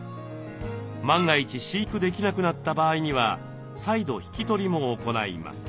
万が一飼育できなくなった場合には再度引き取りも行います。